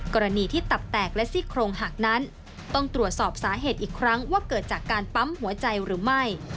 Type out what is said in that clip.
กรณีที่ตับแตกและซี่โครงหักนั้นต้องตรวจสอบสาเหตุอีกครั้งว่าเกิดจากการปั๊มหัวใจหรือไม่